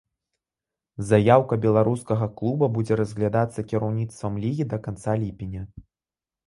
Заяўка беларускага клуба будзе разглядацца кіраўніцтвам лігі да канца ліпеня.